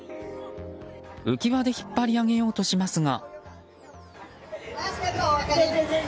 浮き輪で引っ張り上げようとしますが。